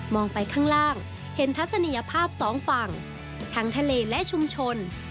ไปข้างล่างเห็นทัศนียภาพสองฝั่งทั้งทะเลและชุมชน